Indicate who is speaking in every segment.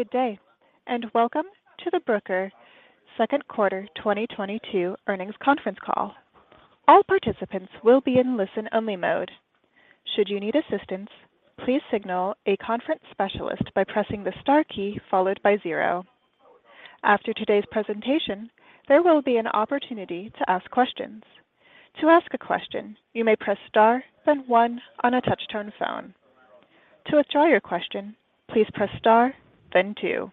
Speaker 1: Good day, and welcome to the Bruker Second Quarter 2022 Earnings Conference Call. All participants will be in listen-only mode. Should you need assistance, please signal a conference specialist by pressing the star key followed by zero. After today's presentation, there will be an opportunity to ask questions. To ask a question, you may press star, then one on a touch-tone phone. To withdraw your question, please press star, then two.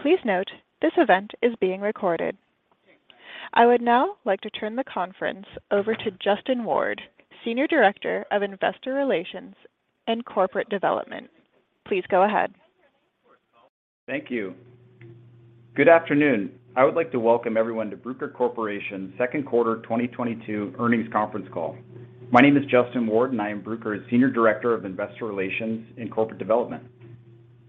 Speaker 1: Please note, this event is being recorded. I would now like to turn the conference over to Justin Ward, Senior Director of Investor Relations and Corporate Development. Please go ahead.
Speaker 2: Thank you. Good afternoon. I would like to welcome everyone to Bruker Corporation second quarter 2022 earnings conference call. My name is Justin Ward, and I am Bruker's Senior Director of Investor Relations and Corporate Development.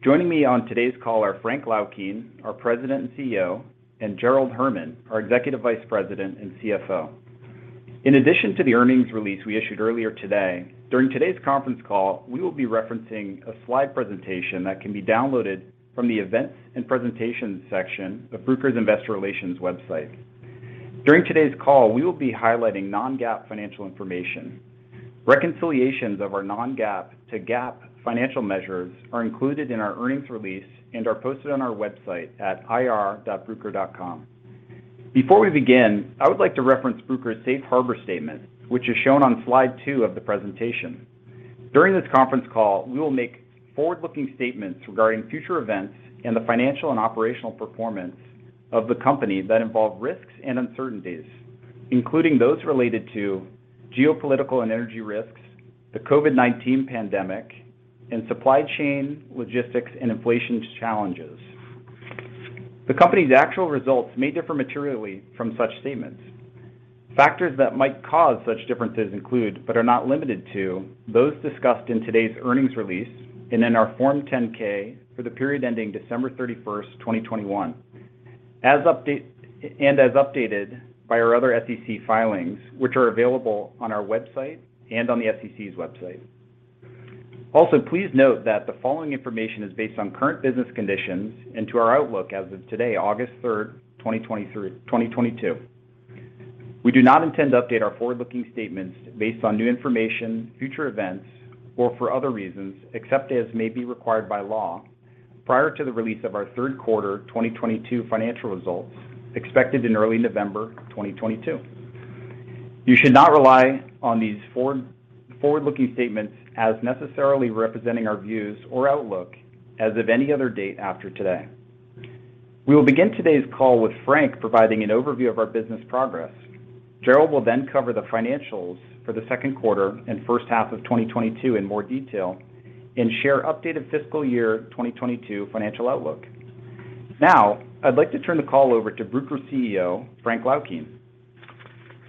Speaker 2: Joining me on today's call are Frank Laukien, our President and CEO, and Gerald N. Herman, our Executive Vice President and CFO. In addition to the earnings release we issued earlier today, during today's conference call, we will be referencing a slide presentation that can be downloaded from the Events and Presentations section of Bruker's Investor Relations website. During today's call, we will be highlighting non-GAAP financial information. Reconciliations of our non-GAAP to GAAP financial measures are included in our earnings release and are posted on our website at ir.bruker.com. Before we begin, I would like to reference Bruker's Safe Harbor statement, which is shown on slide two of the presentation. During this conference call, we will make forward-looking statements regarding future events and the financial and operational performance of the company that involve risks and uncertainties, including those related to geopolitical and energy risks, the COVID-19 pandemic, and supply chain, logistics, and inflation challenges. The company's actual results may differ materially from such statements. Factors that might cause such differences include, but are not limited to, those discussed in today's earnings release and in our Form 10-K for the period ending December 31st, 2021. As updated by our other SEC filings, which are available on our website and on the SEC's website. Also, please note that the following information is based on current business conditions and on our outlook as of today, August 3rd, 2022. We do not intend to update our forward-looking statements based on new information, future events, or for other reasons, except as may be required by law, prior to the release of our third quarter 2022 financial results expected in early November 2022. You should not rely on these forward-looking statements as necessarily representing our views or outlook as of any other date after today. We will begin today's call with Frank providing an overview of our business progress. Gerald will then cover the financials for the second quarter and first half of 2022 in more detail and share updated fiscal year 2022 financial outlook. Now, I'd like to turn the call over to Bruker CEO, Frank Laukien.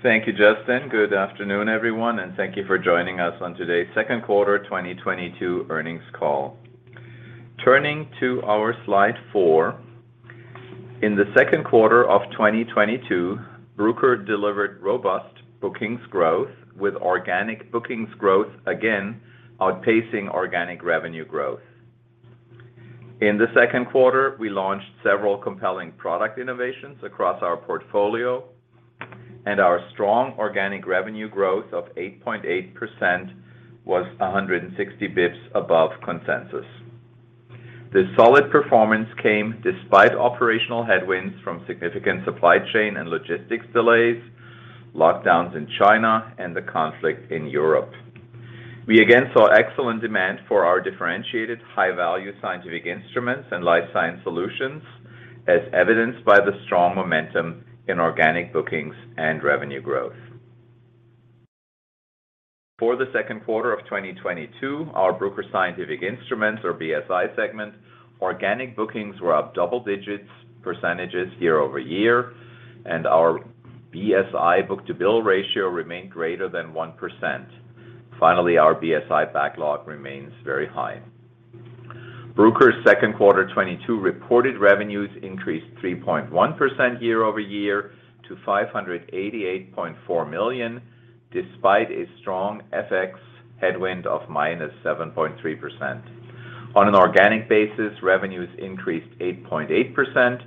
Speaker 3: Thank you, Justin. Good afternoon, everyone, and thank you for joining us on today's second quarter 2022 earnings call. Turning to our slide four, in the second quarter of 2022, Bruker delivered robust bookings growth with organic bookings growth again outpacing organic revenue growth. In the second quarter, we launched several compelling product innovations across our portfolio, and our strong organic revenue growth of 8.8% was 160 basis points above consensus. This solid performance came despite operational headwinds from significant supply chain and logistics delays, lockdowns in China, and the conflict in Europe. We again saw excellent demand for our differentiated high-value scientific instruments and life science solutions, as evidenced by the strong momentum in organic bookings and revenue growth. For the second quarter of 2022, our Bruker Scientific Instruments, or BSI segment, organic bookings were up double-digit percentages year-over-year, and our BSI book-to-bill ratio remained greater than 1%. Our BSI backlog remains very high. Bruker's second quarter 2022 reported revenues increased 3.1% year-over-year to $588.4 million, despite a strong FX headwind of -7.3%. On an organic basis, revenues increased 8.8%,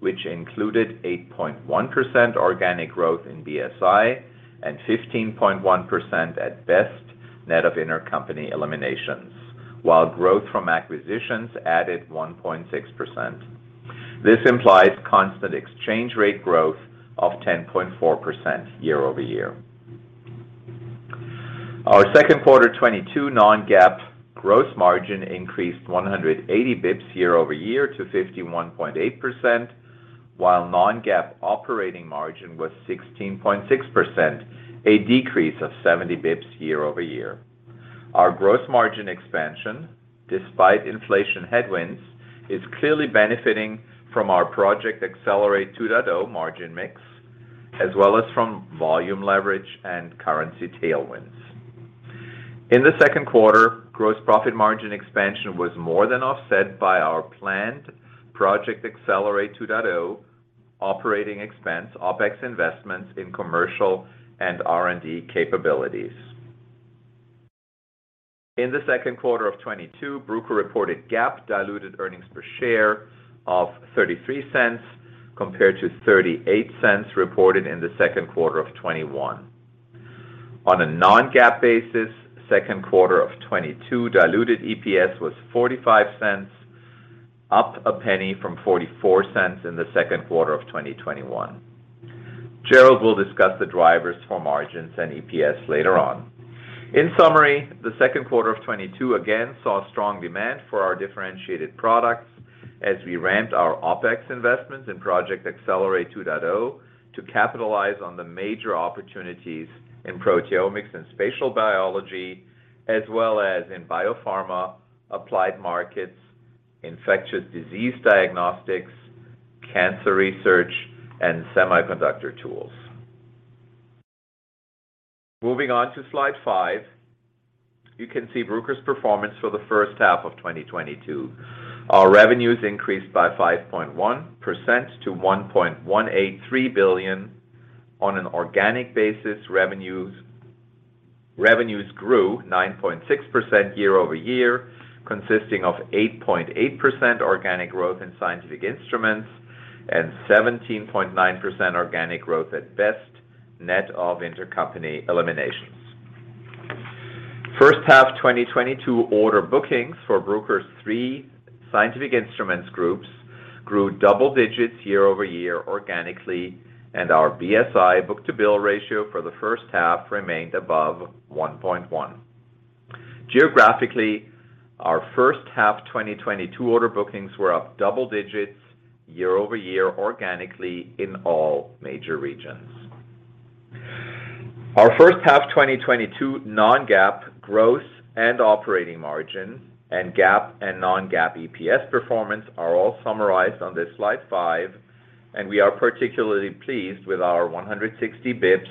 Speaker 3: which included 8.1% organic growth in BSI and 15.1% at BEST, net of intercompany eliminations, while growth from acquisitions added 1.6%. This implies constant exchange rate growth of 10.4% year-over-year. Our second quarter 2022 non-GAAP gross margin increased 180 basis points year-over-year to 51.8%, while non-GAAP operating margin was 16.6%, a decrease of 70 basis points year-over-year. Our gross margin expansion, despite inflation headwinds, is clearly benefiting from our Project Accelerate 2.0 margin mix as well as from volume leverage and currency tailwinds. In the second quarter, gross profit margin expansion was more than offset by our planned Project Accelerate 2.0 operating expense OpEx investments in commercial and R&D capabilities. In the second quarter of 2022, Bruker reported GAAP diluted earnings per share of $0.33 compared to $0.38 reported in the second quarter of 2021. On a non-GAAP basis, second quarter 2022 diluted EPS was $0.45, up $0.01 from $0.44 in the second quarter of 2021. Gerald will discuss the drivers for margins and EPS later on. In summary, the second quarter of 2022 again saw strong demand for our differentiated products as we ramped our OpEx investments in Project Accelerate 2.0 to capitalize on the major opportunities in proteomics and spatial biology, as well as in biopharma, applied markets, infectious disease diagnostics, cancer research, and semiconductor tools. Moving on to slide five, you can see Bruker's performance for the first half of 2022. Our revenues increased by 5.1% to $1.183 billion. On an organic basis, revenues grew 9.6% year-over-year, consisting of 8.8% organic growth in scientific instruments and 17.9% organic growth at BEST, net of intercompany eliminations. First half 2022 order bookings for Bruker's three scientific instruments groups grew double digits year-over-year organically, and our BSI book-to-bill ratio for the first half remained above 1.1. Geographically, our first half 2022 order bookings were up double digits year-over-year organically in all major regions. Our first half 2022 non-GAAP growth and operating margin and GAAP and non-GAAP EPS performance are all summarized on this slide five, and we are particularly pleased with our 160 basis points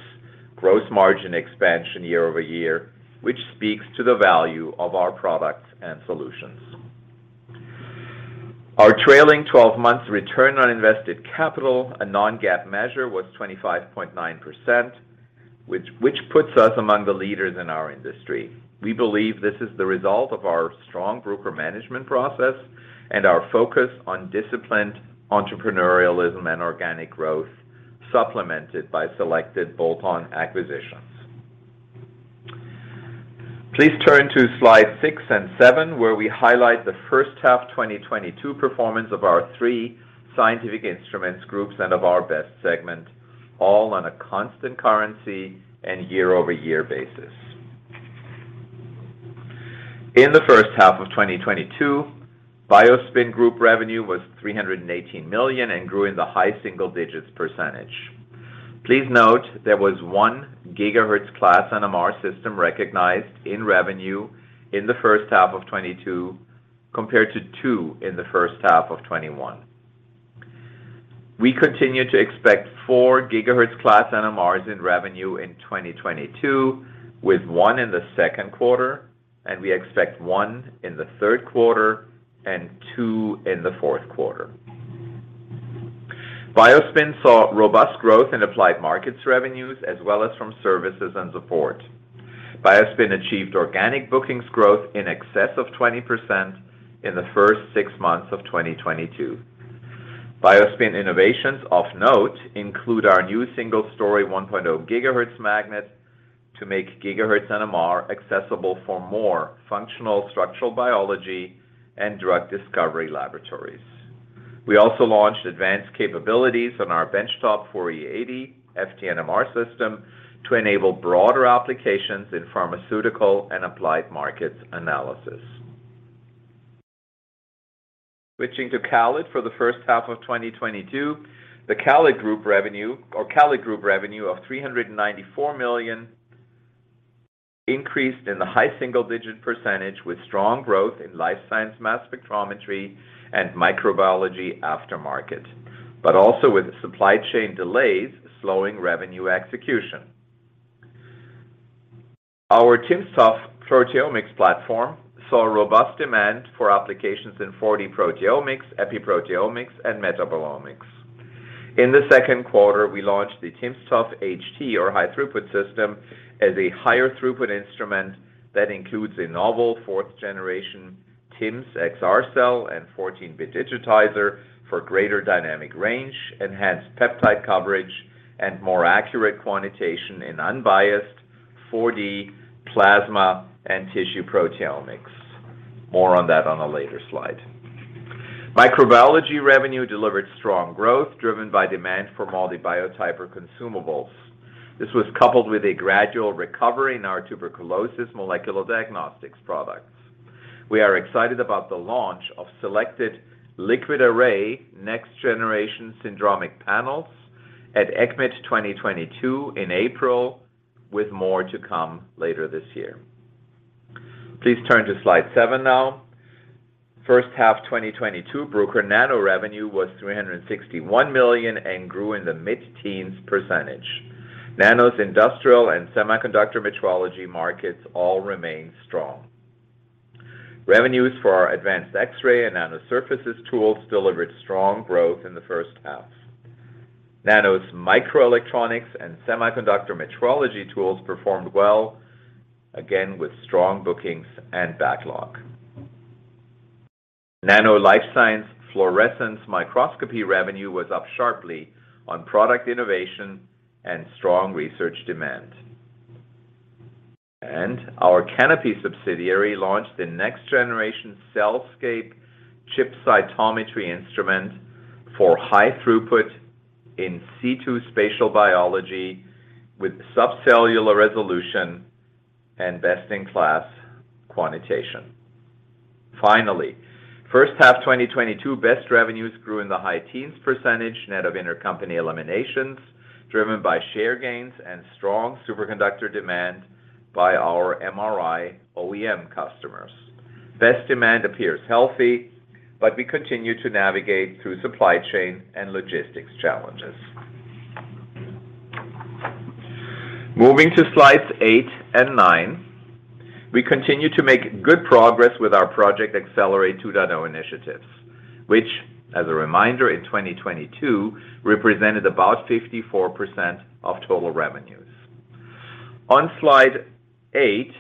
Speaker 3: gross margin expansion year-over-year, which speaks to the value of our products and solutions. Our trailing twelve months return on invested capital, a non-GAAP measure, was 25.9%, which puts us among the leaders in our industry. We believe this is the result of our strong Bruker management process and our focus on disciplined entrepreneurialism and organic growth, supplemented by selected bolt-on acquisitions. Please turn to slide six and seven, where we highlight the first half 2022 performance of our three scientific instruments groups and of our BEST segment, all on a constant currency and year-over-year basis. In the first half of 2022, BioSpin Group revenue was $318 million and grew in the high single digits %. Please note there was 1GHz class NMR system recognized in revenue in the first half of 2022 compared to two in the first half of 2021. We continue to expect 4GHz class NMRs in revenue in 2022, with one in the second quarter, and we expect one in the third quarter and two in the fourth quarter. BioSpin saw robust growth in applied markets revenues as well as from services and support. BioSpin achieved organic bookings growth in excess of 20% in the first six months of 2022. BioSpin innovations of note include our new single-story 1.0 gigahertz magnet to make gigahertz NMR accessible for more functional structural biology and drug discovery laboratories. We also launched advanced capabilities on our benchtop Fourier 80 FT-NMR system to enable broader applications in pharmaceutical and applied markets analysis. Switching to CALID for the first half of 2022, the CALID Group revenue of $394 million increased in the high single-digit percentage with strong growth in life science mass spectrometry and microbiology aftermarket, but also with supply chain delays slowing revenue execution. Our timsTOF proteomics platform saw robust demand for applications in 4D-Proteomics, epiproteomics, and metabolomics. In the second quarter, we launched the timsTOF HT, or high throughput system, as a higher throughput instrument that includes a novel fourth generation TIMS-XR cell and 14-bit digitizer for greater dynamic range, enhanced peptide coverage, and more accurate quantitation in unbiased 4D plasma and tissue proteomics. More on that on a later slide. Microbiology revenue delivered strong growth driven by demand for MALDI Biotyper consumables. This was coupled with a gradual recovery in our tuberculosis molecular diagnostics products. We are excited about the launch of selected LiquidArray next generation syndromic panels at ESCMID 2022 in April, with more to come later this year. Please turn to slide seven now. First half 2022, Bruker Nano revenue was $361 million and grew in the mid-teens%. Nano's industrial and semiconductor metrology markets all remain strong. Revenues for our advanced X-ray and Nano Surfaces tools delivered strong growth in the first half. Bruker Nano's microelectronics and semiconductor metrology tools performed well, again with strong bookings and backlog. Bruker Nano Life Science Fluorescence Microscopy revenue was up sharply on product innovation and strong research demand. Our Canopy subsidiary launched the next generation CellScape ChipCytometry instrument for high throughput in situ spatial biology with subcellular resolution and best-in-class quantitation. Finally, first half 2022, BEST revenues grew in the high teens% net of intercompany eliminations, driven by share gains and strong superconductor demand by our MRI OEM customers. BEST demand appears healthy, but we continue to navigate through supply chain and logistics challenges. Moving to slides eight and nine, we continue to make good progress with our Project Accelerate 2.0 initiatives, which as a reminder in 2022 represented about 54% of total revenues. On slide eight,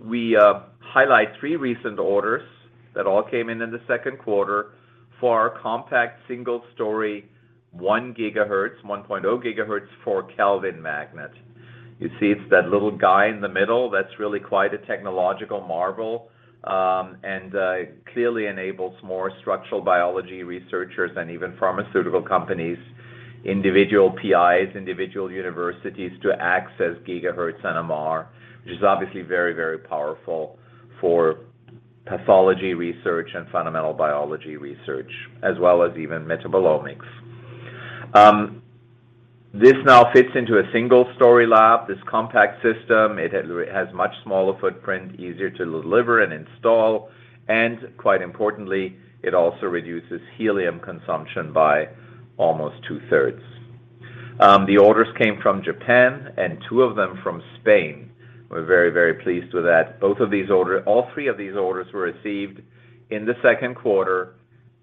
Speaker 3: we highlight three recent orders that all came in in the second quarter for our compact single-story 1.0 GHz 4 Kelvin magnet. You see it's that little guy in the middle that's really quite a technological marvel, and clearly enables more structural biology researchers and even pharmaceutical companies, individual PIs, individual universities to access gigahertz NMR, which is obviously very, very powerful for protein research and fundamental biology research, as well as even metabolomics. This now fits into a single-story lab, this compact system. It has much smaller footprint, easier to deliver and install, and quite importantly, it also reduces helium consumption by almost two-thirds. The orders came from Japan and two of them from Spain. We're very pleased with that. All three of these orders were received in the second quarter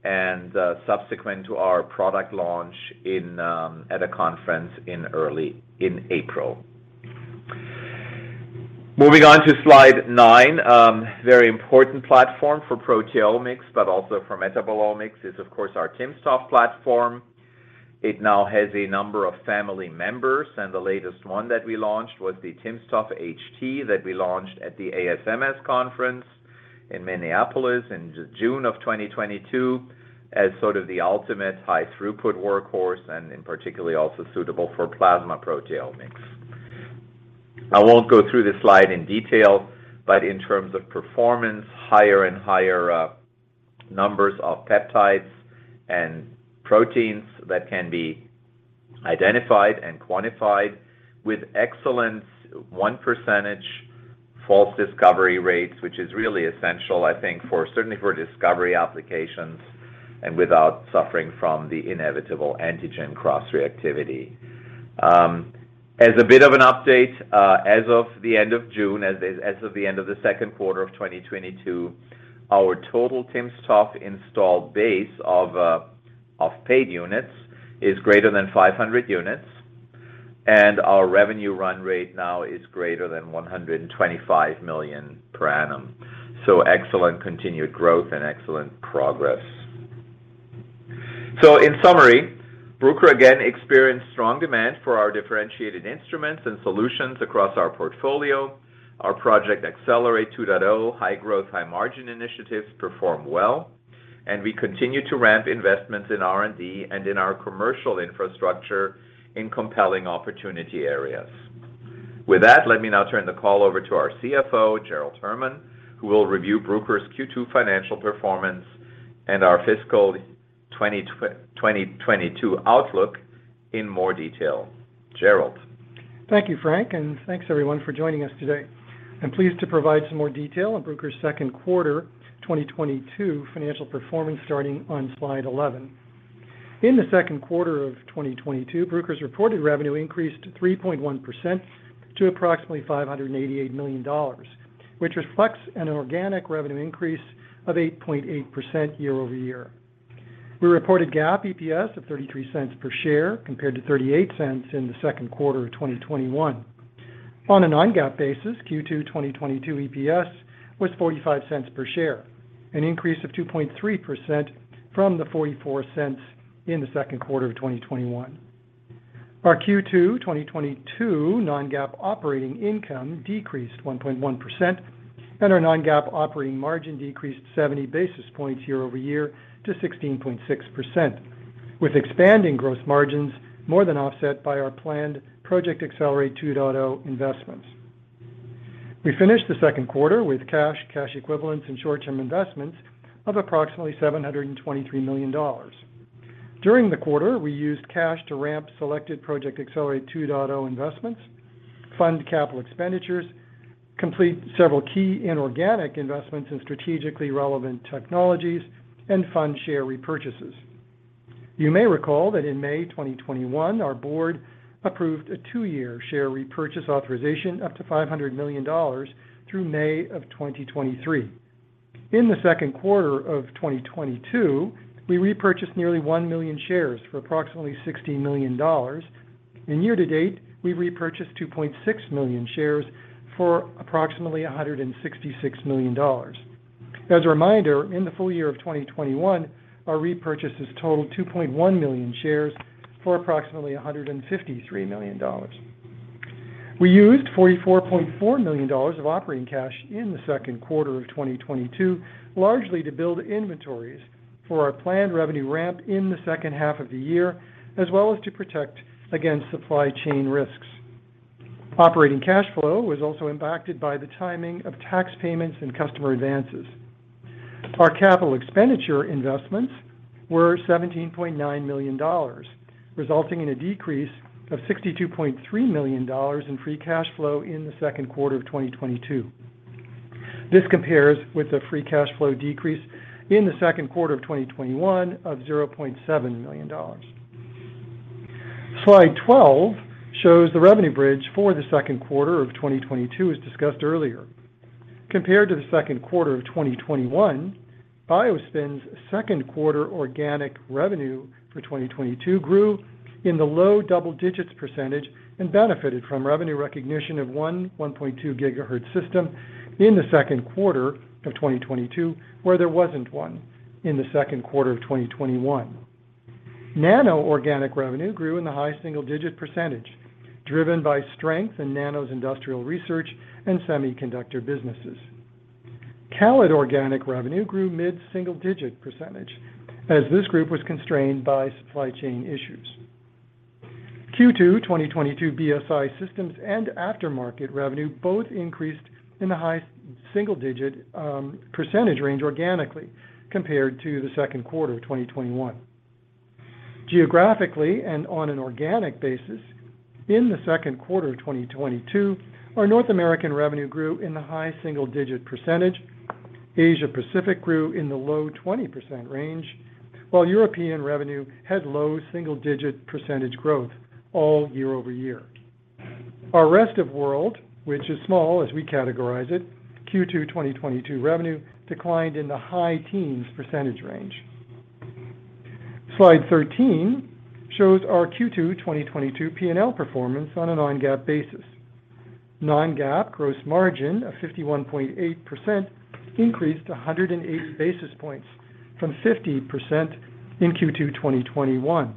Speaker 3: and subsequent to our product launch at a conference in April. Moving on to slide nine, very important platform for proteomics, but also for metabolomics is of course our timsTOF platform. It now has a number of family members, and the latest one that we launched was the timsTOF HT that we launched at the ASMS conference in Minneapolis in June of 2022 as sort of the ultimate high throughput workhorse and, in particular, also suitable for plasma proteomics. I won't go through this slide in detail, but in terms of performance, higher and higher numbers of peptides and proteins that can be identified and quantified with excellent 1% false discovery rates, which is really essential, I think for certainly for discovery applications and without suffering from the inevitable antigen cross-reactivity. As a bit of an update, as of the end of the second quarter of 2022, our total timsTOF installed base of paid units is greater than 500 units, and our revenue run rate now is greater than $125 million per annum. Excellent continued growth and excellent progress. In summary, Bruker again experienced strong demand for our differentiated instruments and solutions across our portfolio. Our Project Accelerate 2.0 high growth, high margin initiatives perform well, and we continue to ramp investments in R&D and in our commercial infrastructure in compelling opportunity areas. With that, let me now turn the call over to our CFO, Gerald N. Herman, who will review Bruker's Q2 financial performance and our fiscal 2022 outlook in more detail. Gerald.
Speaker 4: Thank you, Frank, and thanks everyone for joining us today. I'm pleased to provide some more detail on Bruker's second quarter 2022 financial performance starting on slide 11. In the second quarter of 2022, Bruker's reported revenue increased 3.1% to approximately $588 million, which reflects an organic revenue increase of 8.8% year-over-year. We reported GAAP EPS of $0.33 per share compared to $0.38 in the second quarter of 2021. On a non-GAAP basis, Q2 2022 EPS was $0.45 per share, an increase of 2.3% from the $0.44 in the second quarter of 2021. Our Q2 2022 non-GAAP operating income decreased 1.1%, and our non-GAAP operating margin decreased 70 basis points year-over-year to 16.6%, with expanding gross margins more than offset by our planned Project Accelerate 2.0 investments. We finished the second quarter with cash equivalents and short-term investments of approximately $723 million. During the quarter, we used cash to ramp selected Project Accelerate 2.0 investments, fund capital expenditures, complete several key inorganic investments in strategically relevant technologies, and fund share repurchases. You may recall that in May 2021, our board approved a 2-year share repurchase authorization up to $500 million through May 2023. In the second quarter of 2022, we repurchased nearly 1 million shares for approximately $16 million. Year-to-date, we've repurchased 2.6 million shares for approximately $166 million. As a reminder, in the full year of 2021, our repurchases totaled 2.1 million shares for approximately $153 million. We used $44.4 million of operating cash in the second quarter of 2022, largely to build inventories for our planned revenue ramp in the second half of the year, as well as to protect against supply chain risks. Operating cash flow was also impacted by the timing of tax payments and customer advances. Our capital expenditure investments were $17.9 million, resulting in a decrease of $62.3 million in free cash flow in the second quarter of 2022. This compares with a free cash flow decrease in the second quarter of 2021 of $0.7 million. Slide 12 shows the revenue bridge for the second quarter of 2022 as discussed earlier. Compared to the second quarter of 2021, BioSpin's second quarter organic revenue for 2022 grew in the low double-digit% and benefited from revenue recognition of 1.2 GHz system in the second quarter of 2022, where there wasn't one in the second quarter of 2021. Nano organic revenue grew in the high single-digit%, driven by strength in Nano's industrial research and semiconductor businesses. CALID organic revenue grew mid-single-digit% as this group was constrained by supply chain issues. Q2 2022 BSI systems and aftermarket revenue both increased in the high single-digit% range organically compared to the second quarter of 2021. Geographically and on an organic basis, in the second quarter of 2022, our North American revenue grew in the high single-digit%. Asia-Pacific grew in the low-20% range, while European revenue had low single-digit % growth all year-over-year. Our rest-of-world, which is small as we categorize it, Q2 2022 revenue declined in the high-teens % range. Slide 13 shows our Q2 2022 P&L performance on a non-GAAP basis. Non-GAAP gross margin of 51.8% increased 180 basis points from 50% in Q2 2021,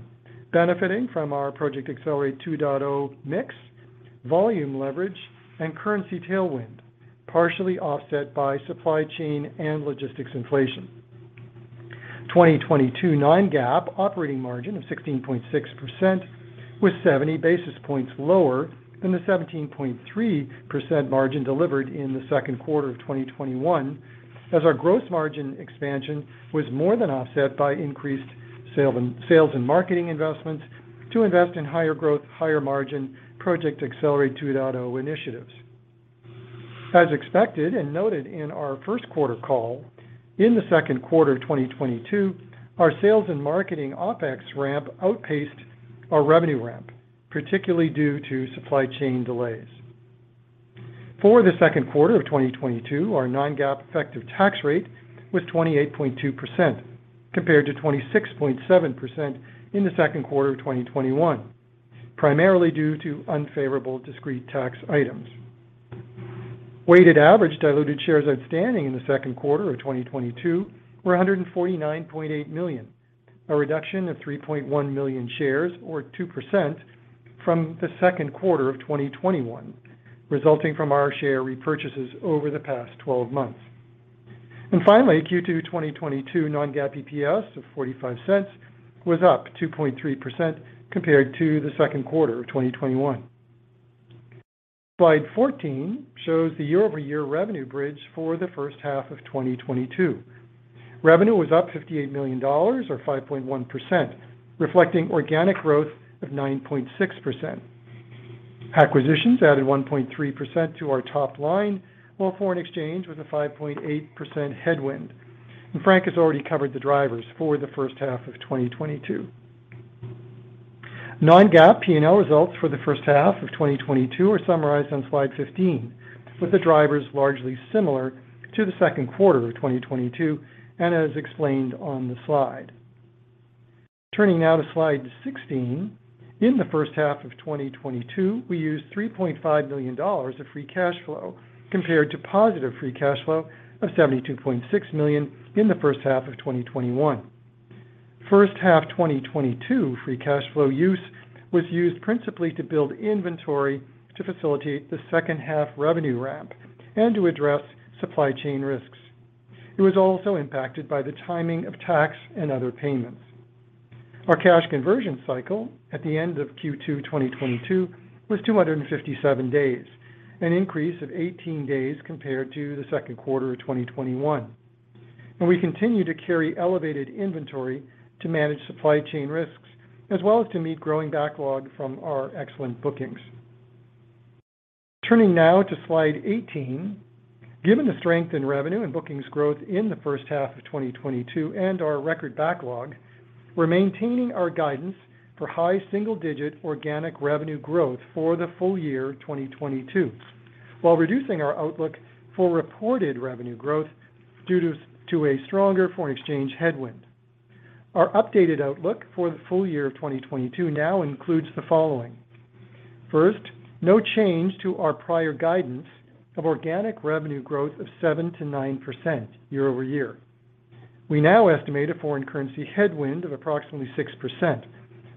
Speaker 4: benefiting from our Project Accelerate 2.0 mix, volume leverage, and currency tailwind, partially offset by supply chain and logistics inflation. 2022 non-GAAP operating margin of 16.6% was 70 basis points lower than the 17.3% margin delivered in the second quarter of 2021, as our gross margin expansion was more than offset by increased sales and marketing investments to invest in higher growth, higher margin Project Accelerate 2.0 initiatives. As expected and noted in our first quarter call, in the second quarter of 2022, our sales and marketing OpEx ramp outpaced our revenue ramp, particularly due to supply chain delays. For the second quarter of 2022, our non-GAAP effective tax rate was 28.2% compared to 26.7% in the second quarter of 2021, primarily due to unfavorable discrete tax items. Weighted average diluted shares outstanding in the second quarter of 2022 were 149.8 million, a reduction of 3.1 million shares or 2% from the second quarter of 2021, resulting from our share repurchases over the past twelve months. Finally, Q2 2022 non-GAAP EPS of $0.45 was up 2.3% compared to the second quarter of 2021. Slide 14 shows the year-over-year revenue bridge for the first half of 2022. Revenue was up $58 million or 5.1%, reflecting organic growth of 9.6%. Acquisitions added 1.3% to our top line, while foreign exchange was a 5.8% headwind. Frank has already covered the drivers for the first half of 2022. Non-GAAP P&L results for the first half of 2022 are summarized on slide 15, with the drivers largely similar to the second quarter of 2022 and as explained on the slide. Turning now to slide 16, in the first half of 2022, we used $3.5 million of free cash flow compared to positive free cash flow of $72.6 million in the first half of 2021. First half 2022 free cash flow use was principally to build inventory to facilitate the second half revenue ramp and to address supply chain risks. It was also impacted by the timing of tax and other payments. Our cash conversion cycle at the end of Q2 2022 was 257 days, an increase of 18 days compared to the second quarter of 2021. We continue to carry elevated inventory to manage supply chain risks as well as to meet growing backlog from our excellent bookings. Turning now to slide 18. Given the strength in revenue and bookings growth in the first half of 2022 and our record backlog, we're maintaining our guidance for high single-digit organic revenue growth for the full year 2022, while reducing our outlook for reported revenue growth due to a stronger foreign exchange headwind. Our updated outlook for the full year of 2022 now includes the following. First, no change to our prior guidance of organic revenue growth of 7%-9% year-over-year. We now estimate a foreign currency headwind of approximately 6%,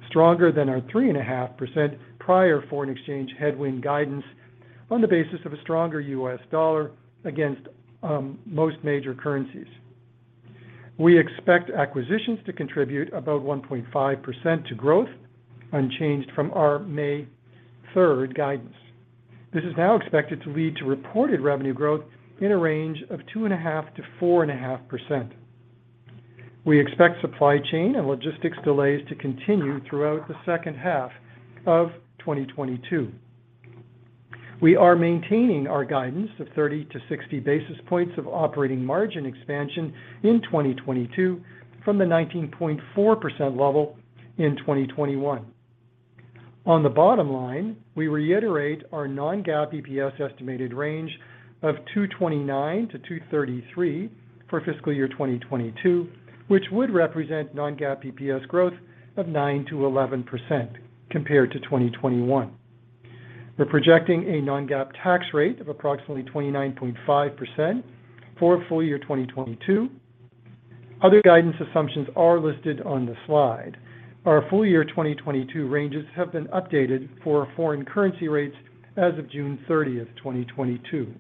Speaker 4: stronger than our 3.5% prior foreign exchange headwind guidance on the basis of a stronger US dollar against most major currencies. We expect acquisitions to contribute about 1.5% to growth unchanged from our May third guidance. This is now expected to lead to reported revenue growth in a range of 2.5%-4.5%. We expect supply chain and logistics delays to continue throughout the second half of 2022. We are maintaining our guidance of 30-60 basis points of operating margin expansion in 2022 from the 19.4% level in 2021. On the bottom line, we reiterate our non-GAAP EPS estimated range of 229-233 for fiscal year 2022, which would represent non-GAAP EPS growth of 9%-11% compared to 2021. We're projecting a non-GAAP tax rate of approximately 29.5% for full year 2022. Other guidance assumptions are listed on the slide. Our full year 2022 ranges have been updated for foreign currency rates as of June 30, 2022.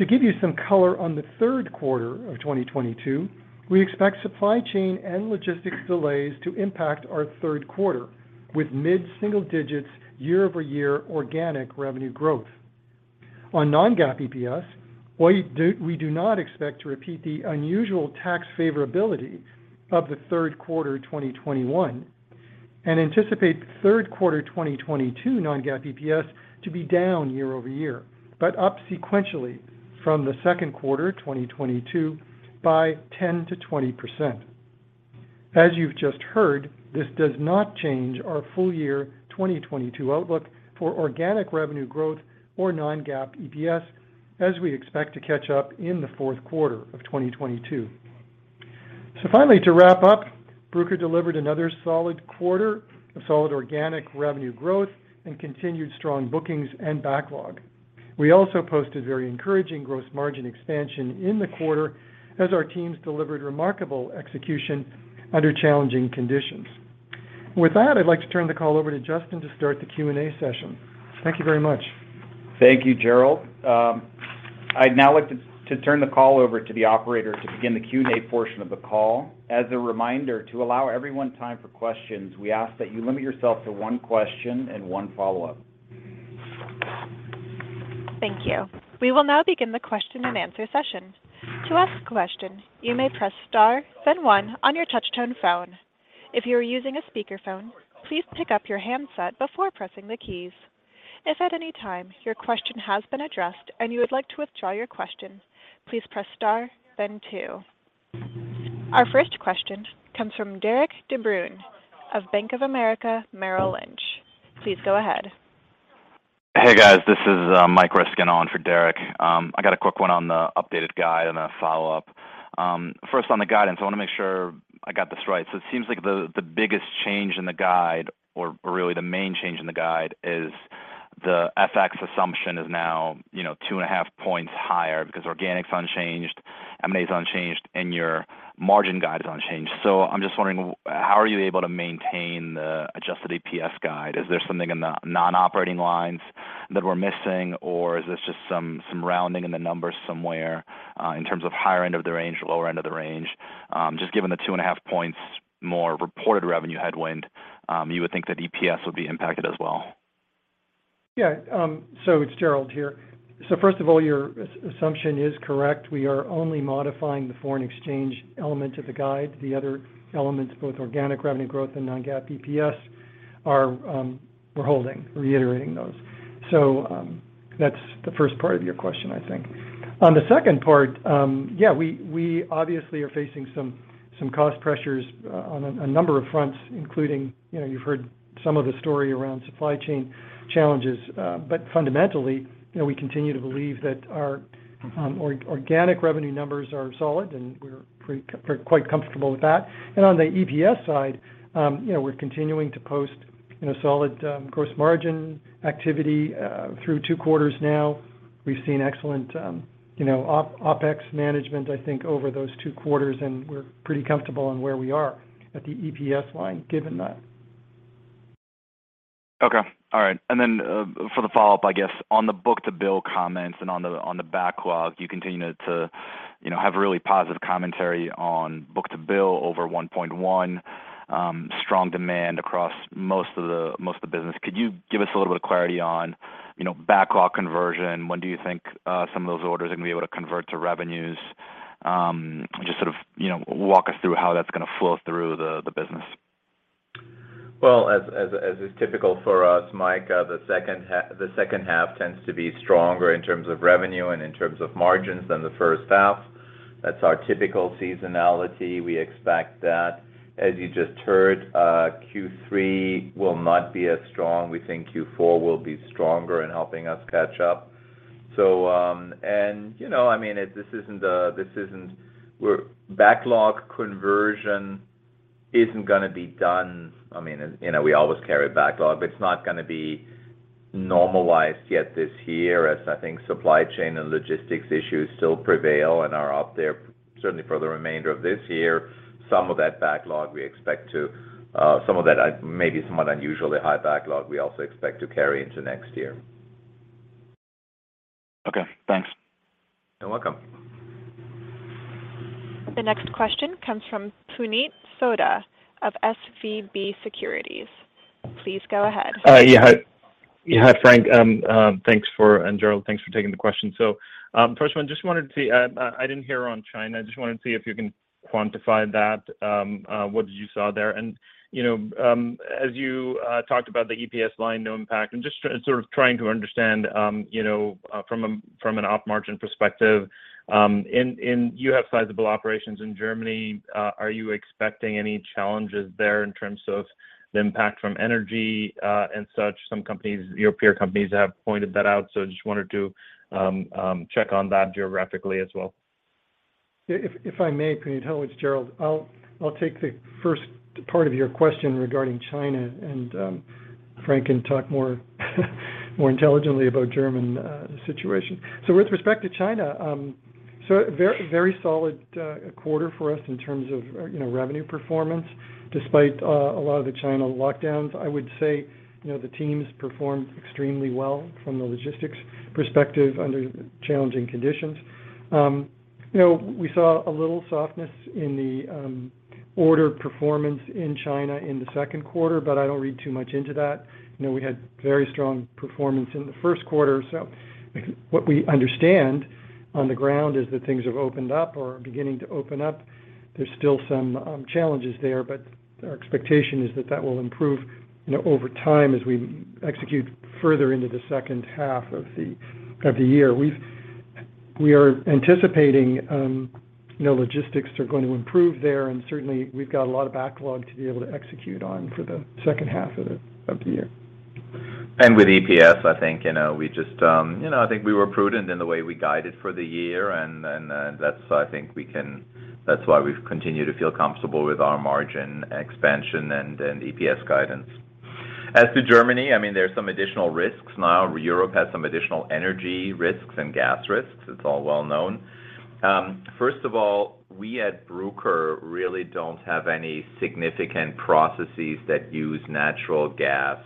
Speaker 4: To give you some color on the third quarter of 2022, we expect supply chain and logistics delays to impact our third quarter with mid-single digits year-over-year organic revenue growth. On non-GAAP EPS, we do not expect to repeat the unusual tax favorability of the third quarter in 2021 and anticipate third quarter 2022 non-GAAP EPS to be down year-over-year, but up sequentially from the second quarter, 2022, by 10%-20%. As you've just heard, this does not change our full year 2022 outlook for organic revenue growth or non-GAAP EPS as we expect to catch up in the fourth quarter of 2022. Finally, to wrap up, Bruker delivered another solid quarter of solid organic revenue growth and continued strong bookings and backlog. We also posted very encouraging gross margin expansion in the quarter as our teams delivered remarkable execution under challenging conditions. With that, I'd like to turn the call over to Justin to start the Q&A session. Thank you very much.
Speaker 2: Thank you, Gerald. I'd now like to turn the call over to the operator to begin the Q&A portion of the call. As a reminder, to allow everyone time for questions, we ask that you limit yourself to one question and one follow-up.
Speaker 1: Thank you. We will now begin the question and answer session. To ask a question, you may press Star, then one on your touchtone phone. If you are using a speakerphone, please pick up your handset before pressing the keys. If at any time your question has been addressed and you would like to withdraw your question, please press Star then two. Our first question comes from Derik De Bruin of Bank of America Merrill Lynch. Please go ahead.
Speaker 5: Hey, guys. This is Michael Ryskin on for Derik De Bruin. I got a quick one on the updated guide and a follow-up. First on the guidance, I wanna make sure I got this right. It seems like the biggest change in the guide, or really the main change in the guide is the FX assumption is now 2.5 points higher because organic's unchanged, M&A is unchanged, and your margin guide is unchanged. I'm just wondering, how are you able to maintain the adjusted EPS guide? Is there something in the non-operating lines that we're missing, or is this just some rounding in the numbers somewhere, in terms of higher end of the range, lower end of the range? Just given the 2.5 points more reported revenue headwind, you would think that EPS would be impacted as well.
Speaker 4: Yeah. It's Gerald here. First of all, your assumption is correct. We are only modifying the foreign exchange element of the guide. The other elements, both organic revenue growth and non-GAAP EPS are. We're holding, reiterating those. That's the first part of your question, I think. On the second part, we obviously are facing some cost pressures on a number of fronts, including. You know, you've heard some of the story around supply chain challenges. Fundamentally, you know, we continue to believe that our organic revenue numbers are solid, and we're quite comfortable with that. On the EPS side, you know, we're continuing to post, you know, solid gross margin activity through two quarters now. We've seen excellent, you know, OpEx management, I think, over those two quarters, and we're pretty comfortable on where we are at the EPS line given that.
Speaker 5: Okay. All right. For the follow-up, I guess, on the book-to-bill comments and on the backlog, you continue to, you know, have really positive commentary on book-to-bill over 1.1, strong demand across most of the business. Could you give us a little bit of clarity on, you know, backlog conversion? When do you think some of those orders are gonna be able to convert to revenues? Just sort of, you know, walk us through how that's gonna flow through the business.
Speaker 3: As is typical for us, Mike, the second half tends to be stronger in terms of revenue and in terms of margins than the first half. That's our typical seasonality. We expect that. As you just heard, Q3 will not be as strong. We think Q4 will be stronger in helping us catch up. You know, I mean, this isn't backlog conversion isn't gonna be done. I mean, you know, we always carry backlog, but it's not gonna be normalized yet this year, as I think supply chain and logistics issues still prevail and are out there certainly for the remainder of this year. Some of that maybe somewhat unusually high backlog we also expect to carry into next year.
Speaker 6: Okay, thanks.
Speaker 3: You're welcome.
Speaker 1: The next question comes from Puneet Souda of SVB Securities. Please go ahead.
Speaker 6: Yeah, Frank and Gerald, thanks for taking the question. First one, I didn't hear on China. I just wanted to see if you can quantify that, what you saw there. As you talked about the EPS line, no impact. I'm just sort of trying to understand, from an operating margin perspective. You have sizable operations in Germany. Are you expecting any challenges there in terms of the impact from energy, and such? Some companies, your peer companies have pointed that out, so just wanted to check on that geographically as well.
Speaker 4: If I may, Puneet. Hello, it's Gerald. I'll take the first part of your question regarding China, and Frank can talk more intelligently about Germany situation. With respect to China, very, very solid quarter for us in terms of revenue performance, despite a lot of the China lockdowns. I would say, you know, the teams performed extremely well from the logistics perspective under challenging conditions. You know, we saw a little softness in the order performance in China in the second quarter, but I don't read too much into that. You know, we had very strong performance in the first quarter. What we understand on the ground is that things have opened up or are beginning to open up. There's still some challenges there, but our expectation is that that will improve, you know, over time as we execute further into the second half of the year. We are anticipating, you know, logistics are going to improve there and certainly we've got a lot of backlog to be able to execute on for the second half of the year.
Speaker 3: With EPS, I think, you know, we just, you know, I think we were prudent in the way we guided for the year, that's, I think we can-- that's why we've continued to feel comfortable with our margin expansion and EPS guidance. As to Germany, I mean, there's some additional risks now. Europe has some additional energy risks and gas risks. It's all well known. First of all, we at Bruker really don't have any significant processes that use natural gas.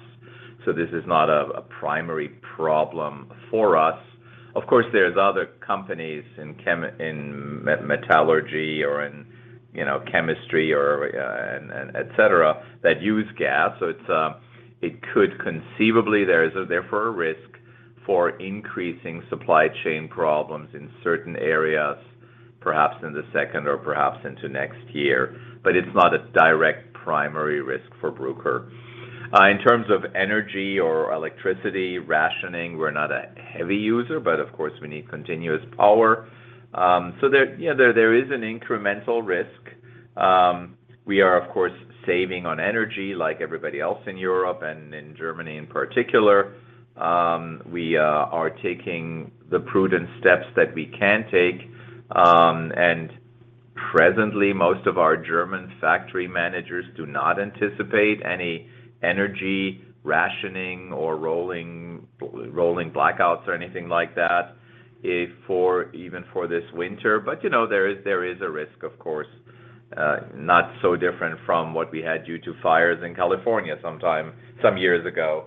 Speaker 3: So this is not a primary problem for us. Of course, there's other companies in metallurgy or in, you know, chemistry or et cetera, that use gas. So it's, it could conceivably, there is therefore a risk for increasing supply chain problems in certain areas, perhaps in the second or perhaps into next year. It's not a direct primary risk for Bruker. In terms of energy or electricity rationing, we're not a heavy user, but of course we need continuous power. There you know there is an incremental risk. We are of course saving on energy like everybody else in Europe and in Germany in particular. We are taking the prudent steps that we can take. Presently, most of our German factory managers do not anticipate any energy rationing or rolling blackouts or anything like that even for this winter. You know, there is a risk, of course, not so different from what we had due to fires in California some years ago.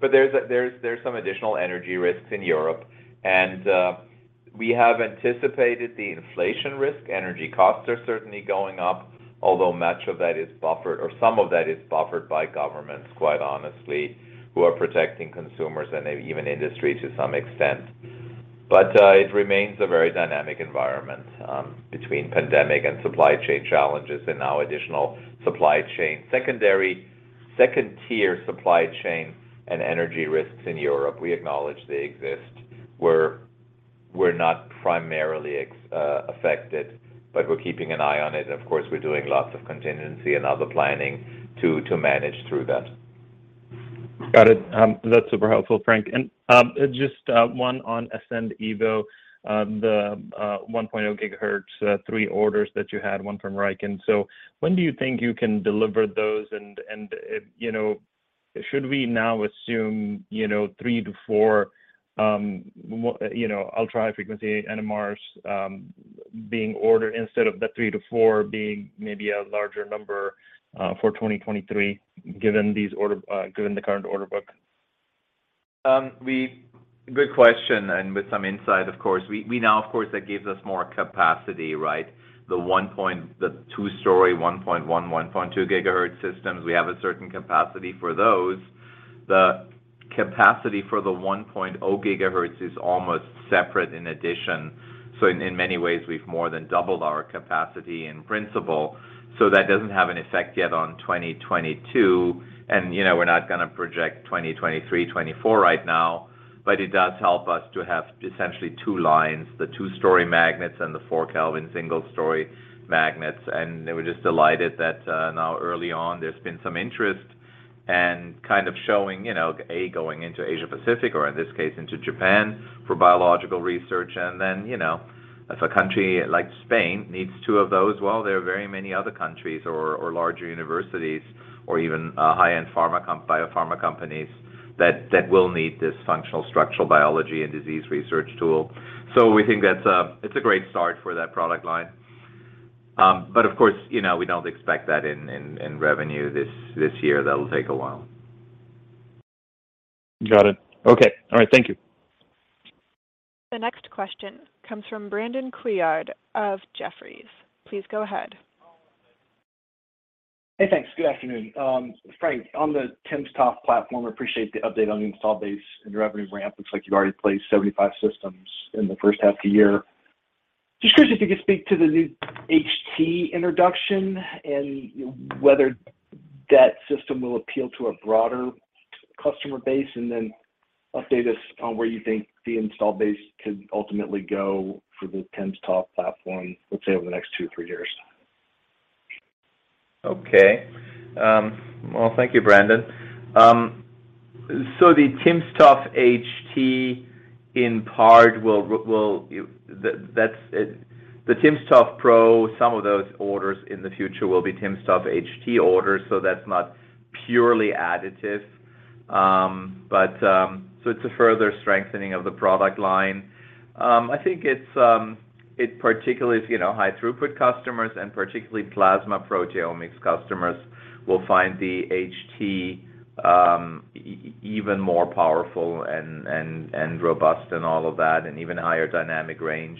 Speaker 3: There's some additional energy risks in Europe, and we have anticipated the inflation risk. Energy costs are certainly going up, although much of that is buffered, or some of that is buffered by governments, quite honestly, who are protecting consumers and even industry to some extent. It remains a very dynamic environment between pandemic and supply chain challenges and now additional second-tier supply chain and energy risks in Europe. We acknowledge they exist. We're not primarily affected, but we're keeping an eye on it. Of course, we're doing lots of contingency and other planning to manage through that.
Speaker 6: Got it. That's super helpful, Frank. Just one on Ascend Evo, the 1.0 GHz, 3 orders that you had, one from RIKEN. When do you think you can deliver those and you know, should we now assume, you know, 3-4 you know, ultra-high frequency NMRs being ordered instead of the 3-4 being maybe a larger number for 2023 given the current order book?
Speaker 3: Good question, and with some insight, of course. We now, of course, that gives us more capacity, right? The two-story 1.1.2 GHz systems, we have a certain capacity for those. The capacity for the 1.0 GHz is almost separate in addition, so in many ways, we've more than doubled our capacity in principle. So that doesn't have an effect yet on 2022, and, you know, we're not gonna project 2023, 2024 right now, but it does help us to have essentially two lines, the two-story magnets and the 4 Kelvin single-story magnets. We're just delighted that now early on, there's been some interest and kind of showing, you know, going into Asia Pacific, or in this case into Japan for biological research. You know, if a country like Spain needs two of those, well, there are very many other countries or larger universities or even high-end biopharma companies that will need this functional structural biology and disease research tool. We think it's a great start for that product line. Of course, you know, we don't expect that in revenue this year. That'll take a while.
Speaker 6: Got it. Okay. All right, thank you.
Speaker 1: The next question comes from Brandon Couillard of Jefferies. Please go ahead.
Speaker 7: Hey, thanks. Good afternoon. Frank, on the timsTOF platform, appreciate the update on the install base and your revenue ramp. Looks like you've already placed 75 systems in the first half of the year. Just curious if you could speak to the new HT introduction and whether that system will appeal to a broader customer base, and then update us on where you think the install base could ultimately go for the timsTOF platform, let's say, over the next two, three years.
Speaker 3: Okay. Well, thank you, Brandon. The timsTOF HT in part will—that's it. The timsTOF Pro, some of those orders in the future will be timsTOF HT orders, so that's not purely additive. It's a further strengthening of the product line. I think it's particularly you know high throughput customers and particularly plasma proteomics customers will find the HT even more powerful and robust and all of that and even higher dynamic range.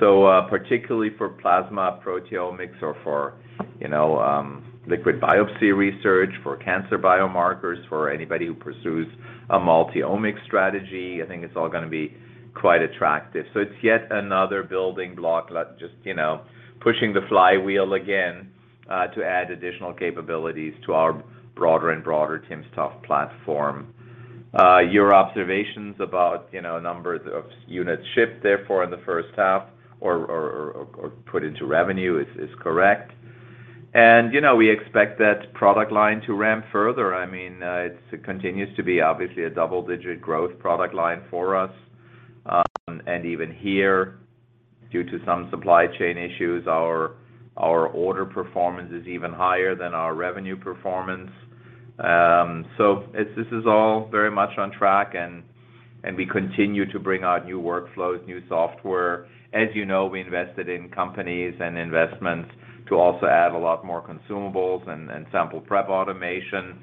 Speaker 3: Particularly for plasma proteomics or for you know liquid biopsy research, for cancer biomarkers, for anybody who pursues a multi-omics strategy, I think it's all gonna be quite attractive. It's yet another building block, like, just, you know, pushing the flywheel again, to add additional capabilities to our broader and broader timsTOF platform. Your observations about, you know, number of units shipped therefore in the first half or put into revenue is correct. We expect that product line to ramp further. I mean, it continues to be obviously a double-digit growth product line for us. Even here, due to some supply chain issues, our order performance is even higher than our revenue performance. This is all very much on track and we continue to bring out new workflows, new software. As you know, we invested in companies and investments to also add a lot more consumables and sample prep automation.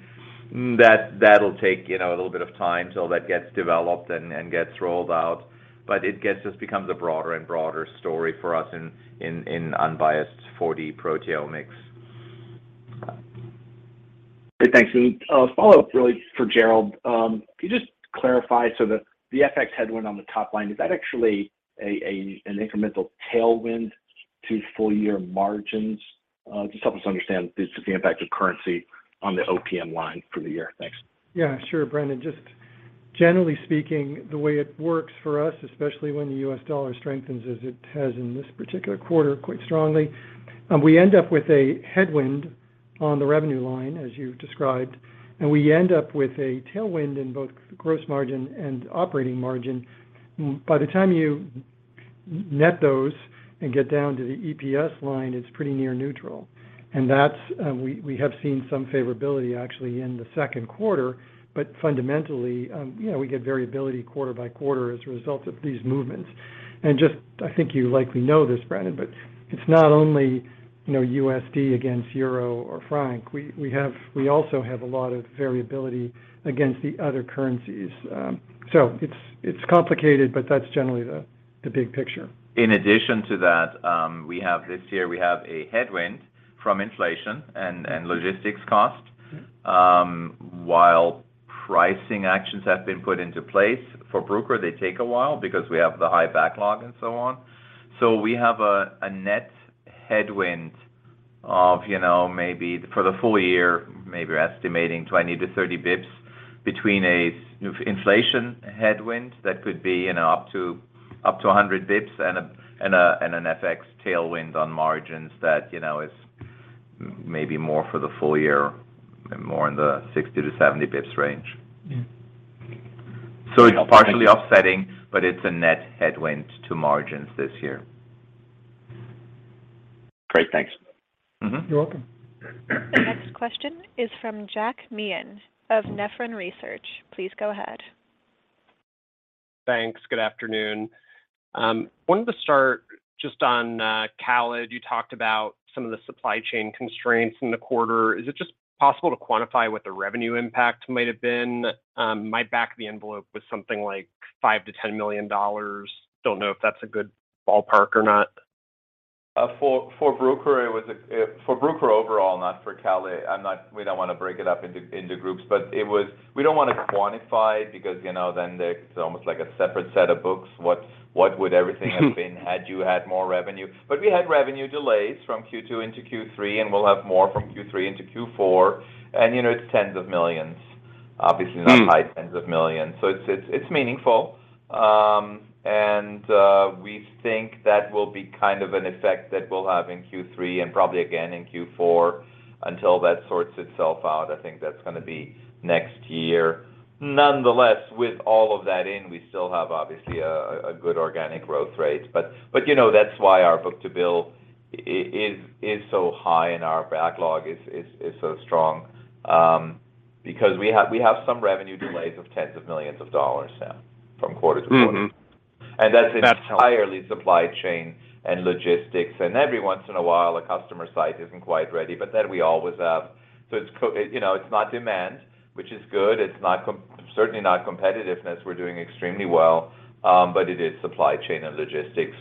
Speaker 3: That'll take, you know, a little bit of time till that gets developed and gets rolled out. It just becomes a broader and broader story for us in unbiased 4D-Proteomics.
Speaker 7: Great. Thanks. A follow-up really for Gerald. Can you just clarify so the FX headwind on the top line is that actually an incremental tailwind to full year margins? Just help us understand the impact of currency on the OPM line for the year. Thanks.
Speaker 4: Yeah, sure, Brandon. Just generally speaking, the way it works for us, especially when the US dollar strengthens as it has in this particular quarter quite strongly, we end up with a headwind on the revenue line, as you described, and we end up with a tailwind in both gross margin and operating margin. By the time you net those and get down to the EPS line, it's pretty near neutral. That's, we have seen some favorability actually in the second quarter. Fundamentally, you know, we get variability quarter by quarter as a result of these movements. Just I think you likely know this, Brandon, but it's not only, you know, USD against euro or franc. We also have a lot of variability against the other currencies. So it's complicated, but that's generally the big picture.
Speaker 3: In addition to that, we have this year a headwind from inflation and logistics costs.
Speaker 4: Mm-hmm.
Speaker 3: While pricing actions have been put into place for Bruker, they take a while because we have the high backlog and so on. We have a net headwind of, you know, maybe for the full year, maybe we're estimating 20-30 basis points between an inflation headwind that could be, you know, up to 100 basis points and an FX tailwind on margins that, you know, is maybe more for the full year, more in the 60-70 basis points range.
Speaker 4: Yeah.
Speaker 3: It's partially offsetting, but it's a net headwind to margins this year.
Speaker 7: Great. Thanks.
Speaker 3: Mm-hmm.
Speaker 4: You're welcome.
Speaker 1: The next question is from Jack Meehan of Nephron Research. Please go ahead.
Speaker 8: Thanks. Good afternoon. Wanted to start just on CALID. You talked about some of the supply chain constraints in the quarter. Is it just possible to quantify what the revenue impact might have been? My back of the envelope was something like $5 million-$10 million. Don't know if that's a good ballpark or not.
Speaker 3: For Bruker overall, not for CALID. We don't wanna break it up into groups. We don't wanna quantify because, you know, then there's almost like a separate set of books, what would everything have been had you had more revenue. We had revenue delays from Q2 into Q3, and we'll have more from Q3 into Q4. You know, it's tens of millions. Obviously.
Speaker 8: Mm
Speaker 3: Not high tens of millions. It's meaningful. We think that will be kind of an effect that we'll have in Q3 and probably again in Q4 until that sorts itself out. I think that's gonna be next year. Nonetheless, with all of that in, we still have obviously a good organic growth rate. You know, that's why our book-to-bill is so high and our backlog is so strong, because we have some revenue delays of tens of millions of dollars now from quarter to quarter.
Speaker 8: Mm-hmm.
Speaker 3: That's entirely supply chain and logistics. Every once in a while, a customer site isn't quite ready, but then we always have. You know, it's not demand, which is good. It's certainly not competitiveness. We're doing extremely well, but it is supply chain and logistics.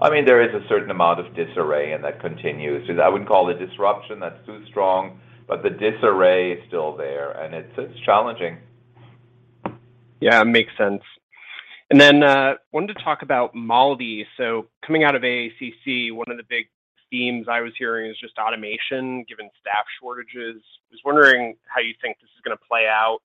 Speaker 3: I mean, there is a certain amount of disarray, and that continues. I wouldn't call it disruption, that's too strong. The disarray is still there, and it's challenging.
Speaker 8: Yeah, makes sense. Wanted to talk about MALDI. Coming out of AACC, one of the big themes I was hearing is just automation, given staff shortages. I was wondering how you think this is gonna play out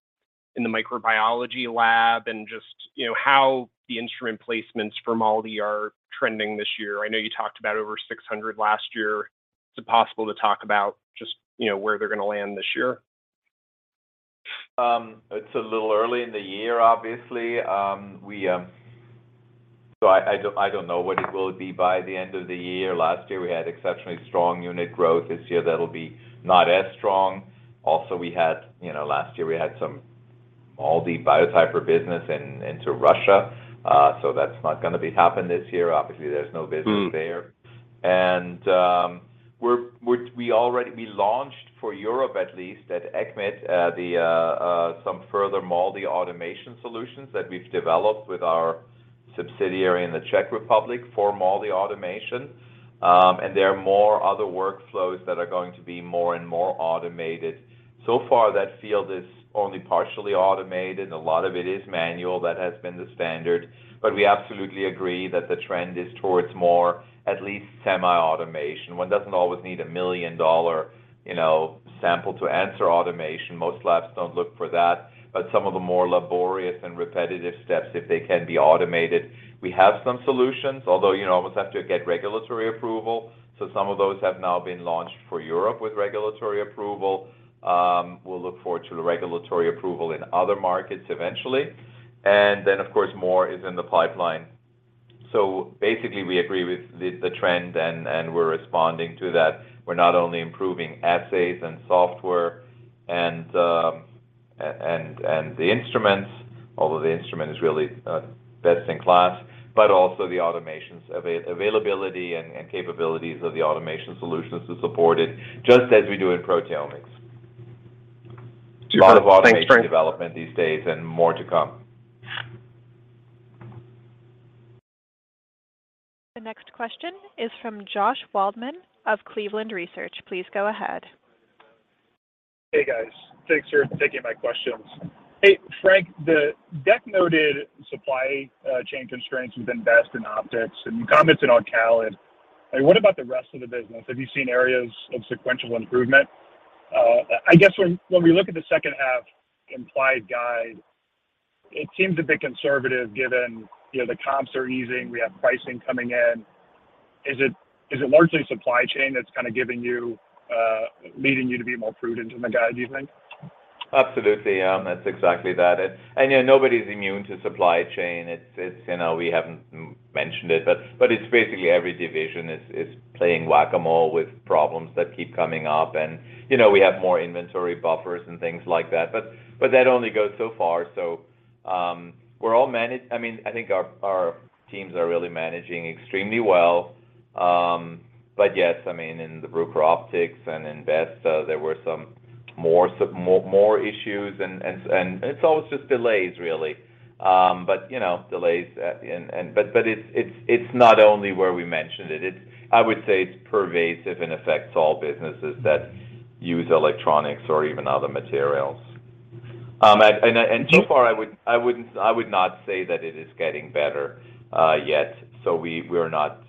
Speaker 8: in the microbiology lab, and just, you know, how the instrument placements for MALDI are trending this year. I know you talked about over 600 last year. Is it possible to talk about just, you know, where they're gonna land this year?
Speaker 3: It's a little early in the year, obviously. I don't know what it will be by the end of the year. Last year we had exceptionally strong unit growth. This year that'll be not as strong. Also we had, you know, last year we had some MALDI Biotyper business into Russia. That's not gonna be happening this year. Obviously, there's no business there.
Speaker 8: Mm.
Speaker 3: We launched, for Europe at least, at ESCMID, some further MALDI automation solutions that we've developed with our subsidiary in the Czech Republic for MALDI automation. There are more other workflows that are going to be more and more automated. So far, that field is only partially automated, and a lot of it is manual. That has been the standard. We absolutely agree that the trend is towards more at least semi-automation. One doesn't always need a million-dollar, you know, sample-to-answer automation. Most labs don't look for that. Some of the more laborious and repetitive steps, if they can be automated, we have some solutions. Although, you know, almost have to get regulatory approval, so some of those have now been launched for Europe with regulatory approval. We'll look forward to the regulatory approval in other markets eventually. Of course, more is in the pipeline. Basically, we agree with the trend and we're responding to that. We're not only improving assays and software and the instruments, although the instrument is really best in class, but also the automation availability and capabilities of the automation solutions to support it, just as we do in proteomics.
Speaker 8: Super. Thanks, Frank.
Speaker 3: A lot of automation development these days and more to come.
Speaker 1: The next question is from Josh Waldman of Cleveland Research. Please go ahead.
Speaker 9: Hey, guys. Thanks for taking my questions. Hey, Frank, the deck noted supply chain constraints have been best in optics, and you commented on CALID. Like, what about the rest of the business? Have you seen areas of sequential improvement? I guess when we look at the second half implied guide, it seems a bit conservative given, you know, the comps are easing, we have pricing coming in. Is it largely supply chain that's kinda giving you leading you to be more prudent in the guide, do you think?
Speaker 3: Absolutely. That's exactly that. You know, nobody's immune to supply chain. It's, you know, we haven't mentioned it, but it's basically every division is playing Whac-A-Mole with problems that keep coming up. You know, we have more inventory buffers and things like that, but that only goes so far. I mean, I think our teams are really managing extremely well. Yes, I mean, in the Bruker Optics and in BEST, there were some more issues and it's always just delays, really. You know, delays and. It's not only where we mentioned it. I would say it's pervasive and affects all businesses that use electronics or even other materials. So far I would not say that it is getting better yet. We're not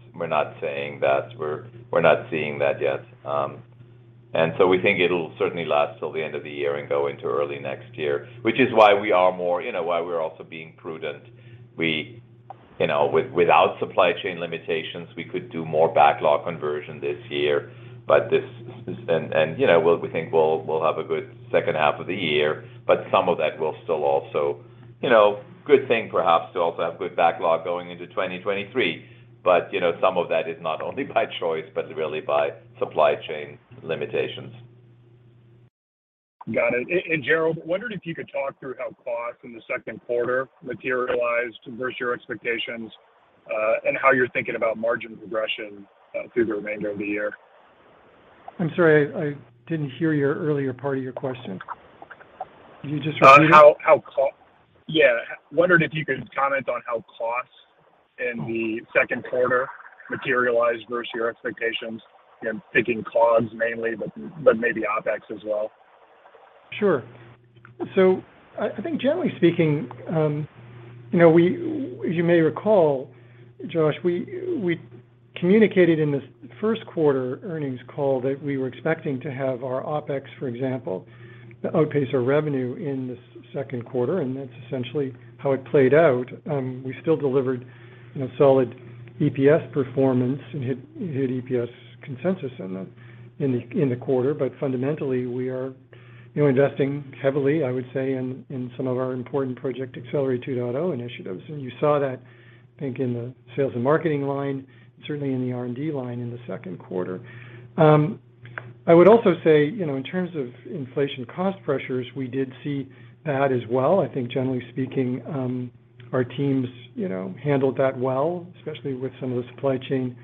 Speaker 3: saying that. We're not seeing that yet. We think it'll certainly last till the end of the year and go into early next year, which is why we are more, you know, why we're also being prudent. You know, without supply chain limitations, we could do more backlog conversion this year. We think we'll have a good second half of the year, but some of that will still also, you know, good thing perhaps to also have good backlog going into 2023, but, you know, some of that is not only by choice, but really by supply chain limitations.
Speaker 9: Got it. Gerald, wondered if you could talk through how costs in the second quarter materialized versus your expectations, and how you're thinking about margin progression through the remainder of the year?
Speaker 4: I'm sorry, I didn't hear your earlier part of your question. Can you just repeat it?
Speaker 9: Wondered if you could comment on how costs in the second quarter materialized versus your expectations in CapEx mainly, but maybe OpEx as well.
Speaker 4: Sure. I think generally speaking, you know, we, you may recall, Josh, we communicated in the first quarter earnings call that we were expecting to have our OpEx, for example, that outpace our revenue in the second quarter, and that's essentially how it played out. We still delivered, you know, solid EPS performance and hit EPS consensus in the quarter. Fundamentally, we are, you know, investing heavily, I would say, in some of our important Project Accelerate 2.0 initiatives. You saw that, I think, in the sales and marketing line, certainly in the R&D line in the second quarter. I would also say, you know, in terms of inflation cost pressures, we did see that as well. I think generally speaking, our teams, you know, handled that well, especially with some of the supply chain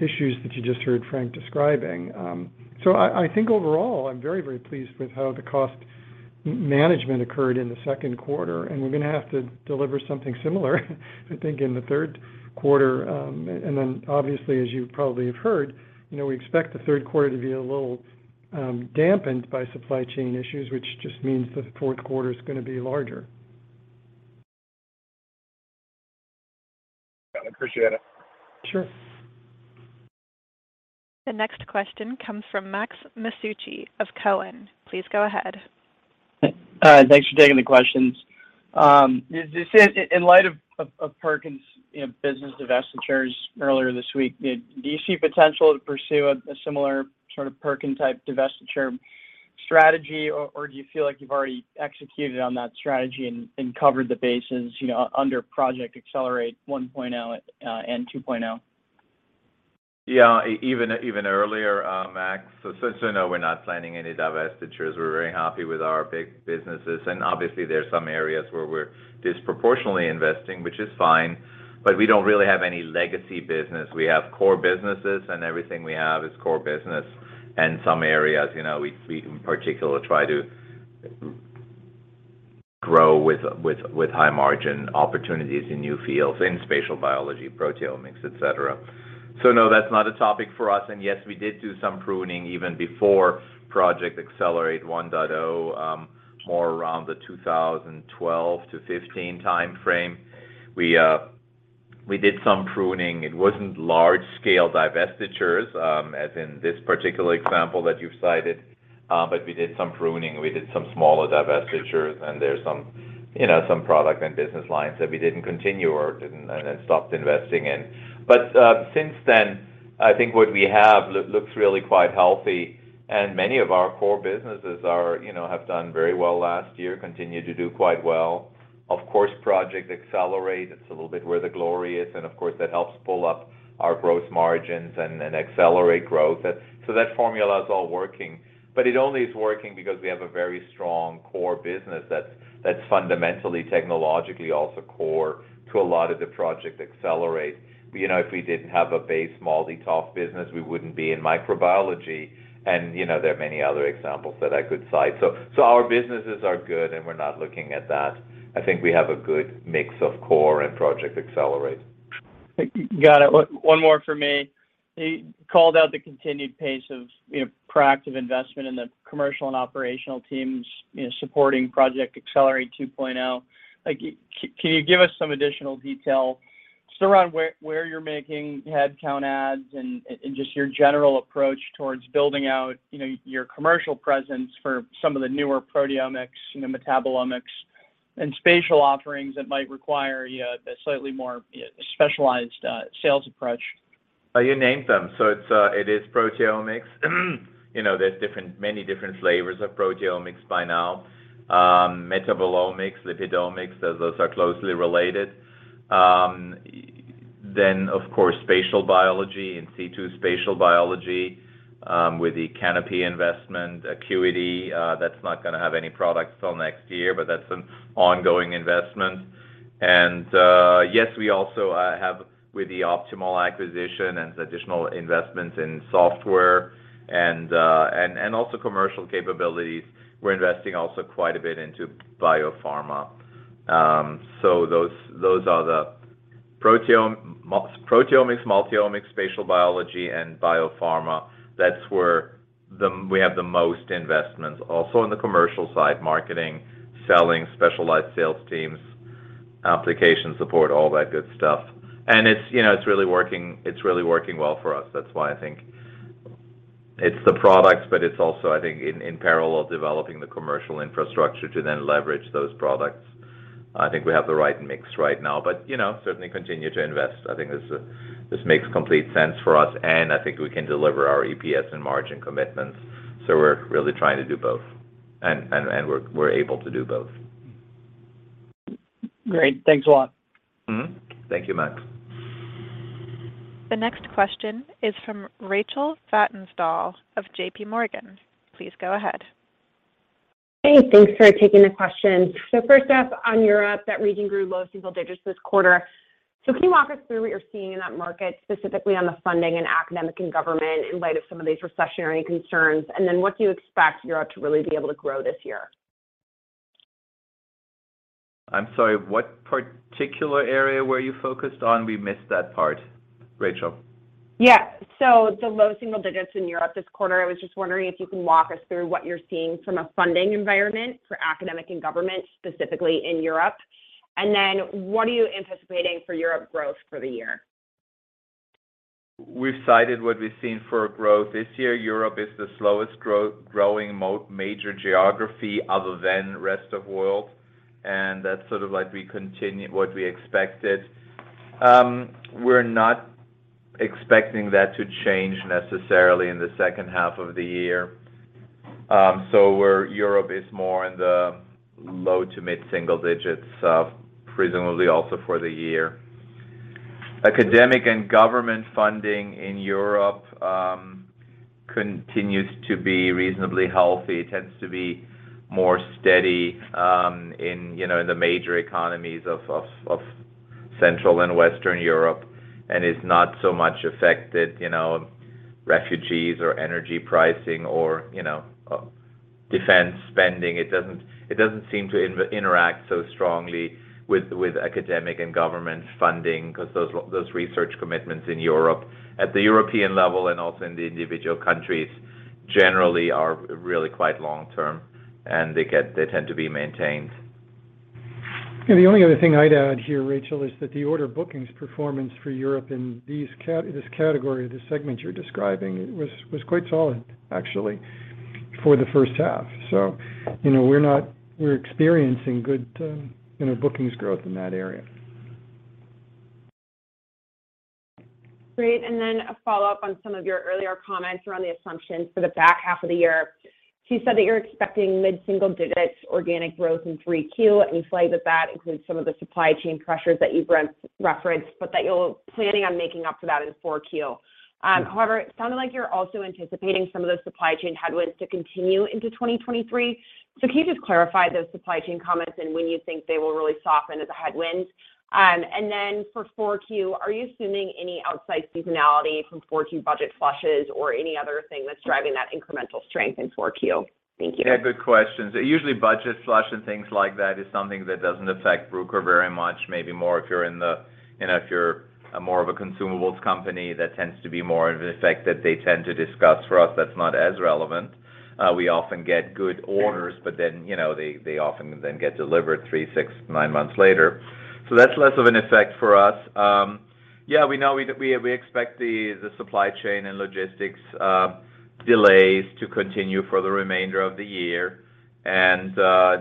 Speaker 4: issues that you just heard Frank describing. I think overall, I'm very, very pleased with how the cost management occurred in the second quarter, and we're going to have to deliver something similar, I think, in the third quarter. Obviously, as you probably have heard, you know, we expect the third quarter to be a little dampened by supply chain issues, which just means the fourth quarter is gonna be larger.
Speaker 9: I appreciate it.
Speaker 4: Sure.
Speaker 1: The next question comes from Max Masucci of Cowen. Please go ahead.
Speaker 10: Thanks for taking the questions. In light of PerkinElmer's, you know, business divestitures earlier this week, do you see potential to pursue a similar sort of PerkinElmer-type divestiture strategy, or do you feel like you've already executed on that strategy and covered the bases, you know, under Project Accelerate 1.0 and 2.0?
Speaker 3: Yeah. Even earlier, Max. So no, we're not planning any divestitures. We're very happy with our big businesses. Obviously, there's some areas where we're disproportionately investing, which is fine, but we don't really have any legacy business. We have core businesses, and everything we have is core business. Some areas, you know, we in particular try to grow with high margin opportunities in new fields, in spatial biology, proteomics, et cetera. So no, that's not a topic for us. Yes, we did do some pruning even before Project Accelerate 1.0, more around the 2012 to 2015 time frame. We did some pruning. It wasn't large-scale divestitures, as in this particular example that you've cited, but we did some pruning. We did some smaller divestitures, and there's some, you know, some product and business lines that we didn't continue or stopped investing in. Since then, I think what we have looks really quite healthy, and many of our core businesses are, you know, have done very well last year, continue to do quite well. Of course, Project Accelerate, it's a little bit where the glory is, and of course, that helps pull up our growth margins and accelerate growth. That formula is all working. It only is working because we have a very strong core business that's fundamentally, technologically also core to a lot of the Project Accelerate. You know, if we didn't have a base MALDI-TOF business, we wouldn't be in microbiology. You know, there are many other examples that I could cite. Our businesses are good, and we're not looking at that. I think we have a good mix of core and Project Accelerate.
Speaker 10: Got it. One more for me. You called out the continued pace of, you know, proactive investment in the commercial and operational teams, you know, supporting Project Accelerate 2.0. Like, can you give us some additional detail just around where you're making headcount adds and just your general approach towards building out, you know, your commercial presence for some of the newer proteomics, you know, metabolomics and spatial offerings that might require, you know, a slightly more, you know, specialized sales approach?
Speaker 3: You named them. It is proteomics. You know, there's many different flavors of proteomics by now. Metabolomics, lipidomics, those are closely related. Then, of course, spatial biology and 2D spatial biology, with the Canopy investment, Acuity, that's not gonna have any products till next year, but that's an ongoing investment. Yes, we also have with the Optimal acquisition and additional investments in software, and also commercial capabilities. We're investing also quite a bit into biopharma. Those are the proteomics, multiomics, spatial biology, and biopharma. That's where we have the most investments. Also in the commercial side, marketing, selling, specialized sales teams, application support, all that good stuff. You know, it's really working well for us. That's why I think it's the products, but it's also, I think, in parallel, developing the commercial infrastructure to then leverage those products. I think we have the right mix right now, but, you know, certainly continue to invest. I think this makes complete sense for us, and I think we can deliver our EPS and margin commitments. We're really trying to do both. We're able to do both.
Speaker 10: Great. Thanks a lot.
Speaker 3: Thank you, Max.
Speaker 1: The next question is from Rachel Vatnsdal of J.P. Morgan. Please go ahead.
Speaker 11: Hey, thanks for taking the question. First up, on Europe, that region grew low single digits this quarter. Can you walk us through what you're seeing in that market, specifically on the funding, academic, and government in light of some of these recessionary concerns? Then what do you expect Europe to really be able to grow this year?
Speaker 3: I'm sorry, what particular area were you focused on? We missed that part. Rachel.
Speaker 11: The low single digits in Europe this quarter, I was just wondering if you can walk us through what you're seeing from a funding environment for academic and government, specifically in Europe. What are you anticipating for Europe growth for the year?
Speaker 3: We've cited what we've seen for growth this year. Europe is the slowest growing major geography other than rest of world. That's sort of like we continue what we expected. We're not expecting that to change necessarily in the second half of the year. Europe is more in the low- to mid-single digits, presumably also for the year. Academic and government funding in Europe continues to be reasonably healthy. It tends to be more steady, you know, in the major economies of Central and Western Europe and is not so much affected, you know, refugees or energy pricing or, you know, defense spending. It doesn't seem to interact so strongly with academic and government funding 'cause those research commitments in Europe at the European level and also in the individual countries generally are really quite long term, and they tend to be maintained.
Speaker 4: Yeah. The only other thing I'd add here, Rachel, is that the order bookings performance for Europe in this category, this segment you're describing, it was quite solid actually for the first half. You know, we're experiencing good, you know, bookings growth in that area.
Speaker 11: Great. Then a follow-up on some of your earlier comments around the assumptions for the back half of the year. You said that you're expecting mid-single digits organic growth in 3Q. We flagged that includes some of the supply chain pressures that you've referenced, but that you're planning on making up for that in 4Q. However, it sounded like you're also anticipating some of those supply chain headwinds to continue into 2023. Can you just clarify those supply chain comments and when you think they will really soften as a headwind? For 4Q, are you assuming any outside seasonality from 4Q budget flushes or any other thing that's driving that incremental strength in 4Q? Thank you.
Speaker 3: Yeah, good questions. Usually budget flush and things like that is something that doesn't affect Bruker very much. Maybe more if you're in the if you're more of a consumables company that tends to be more of an effect that they tend to discuss. For us, that's not as relevant. We often get good orders, but then they often then get delivered three, six, nine months later. So that's less of an effect for us. We expect the supply chain and logistics delays to continue for the remainder of the year.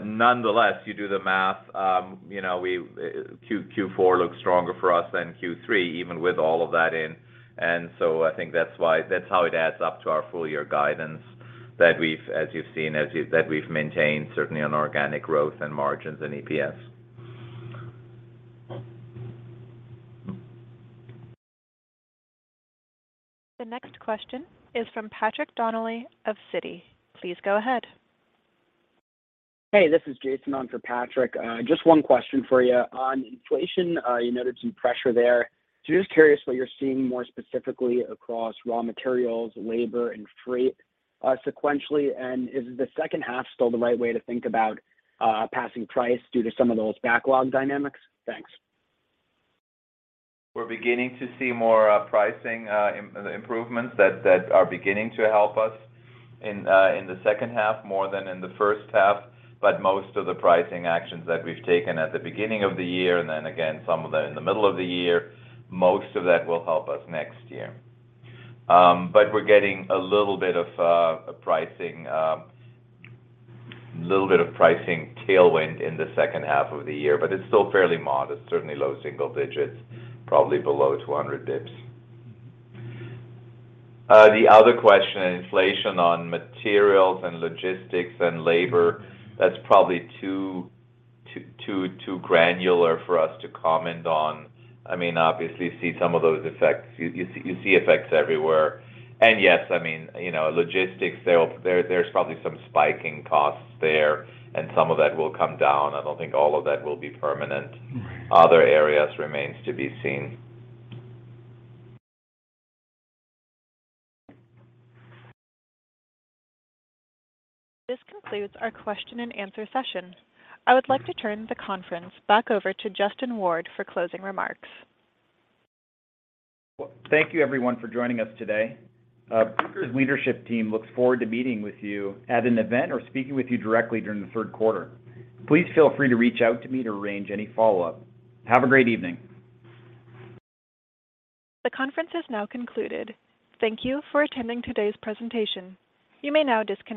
Speaker 3: Nonetheless, you do the math, Q4 looks stronger for us than Q3 even with all of that in. I think that's why that's how it adds up to our full year guidance that we've maintained, certainly on organic growth and margins and EPS.
Speaker 1: The next question is from Patrick Donnelly of Citi. Please go ahead.
Speaker 12: Hey, this is Jason on for Patrick. Just one question for you. On inflation, you noted some pressure there. Just curious what you're seeing more specifically across raw materials, labor, and freight, sequentially. Is the second half still the right way to think about passing price due to some of those backlog dynamics? Thanks.
Speaker 3: We're beginning to see more pricing improvements that are beginning to help us in the second half more than in the first half. Most of the pricing actions that we've taken at the beginning of the year and then again in the middle of the year, most of that will help us next year. We're getting a little bit of pricing tailwind in the second half of the year, but it's still fairly modest, certainly low single digits, probably below 200 basis points. The other question on inflation on materials and logistics and labor, that's probably too granular for us to comment on. I mean, obviously you see some of those effects. You see effects everywhere. Yes, I mean, you know, logistics, there's probably some spiking costs there, and some of that will come down. I don't think all of that will be permanent. Other areas remains to be seen.
Speaker 1: This concludes our question and answer session. I would like to turn the conference back over to Justin Ward for closing remarks.
Speaker 2: Well, thank you everyone for joining us today. Bruker's leadership team looks forward to meeting with you at an event or speaking with you directly during the third quarter. Please feel free to reach out to me to arrange any follow-up. Have a great evening.
Speaker 1: The conference is now concluded. Thank you for attending today's presentation. You may now disconnect.